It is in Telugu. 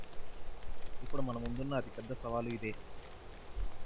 ఇప్పుడు మన ముందున్న అతి పెద్ద సవాలు ఇదే